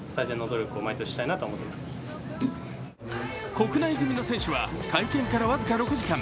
国内組の選手は会見から僅か６時間。